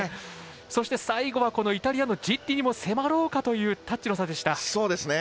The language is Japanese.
そして最後はイタリアのジッリにも迫ろうかというタッチの差でした。